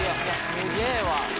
すげぇわ！